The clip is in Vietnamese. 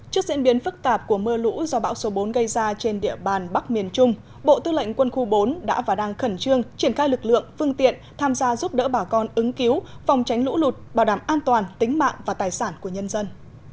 trước diễn biến phức tạp của mưa lũ do bão số bốn gây ra trên địa bàn bắc miền trung bộ tư lệnh quân khu bốn đã và đang khẩn trương triển khai lực lượng phương tiện tham gia giúp đỡ bà con ứng cứu phòng tránh lũ lụt bảo đảm an toàn tính mạng và tài sản của nhân dân